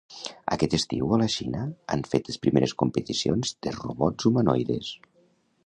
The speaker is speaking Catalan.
Aquest estiu a la Xina han fet les primeres competicions de robots humanoides.